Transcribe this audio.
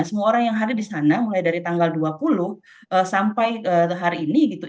semua orang yang hadir di sana mulai dari tanggal dua puluh sampai hari ini gitu